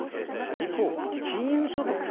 一方、金融所得。